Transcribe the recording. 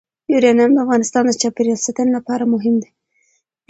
یورانیم د افغانستان د چاپیریال ساتنې لپاره مهم دي.